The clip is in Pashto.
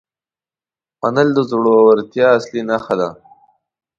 منل د زړورتیا اصلي نښه ده.